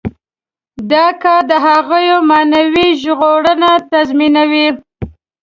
دا کار د هغوی معنوي ژغورنه تضمینوي.